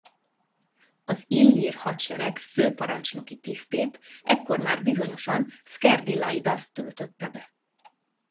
Az illír hadsereg főparancsnoki tisztét ekkor már bizonyosan Szkerdilaidasz töltötte be.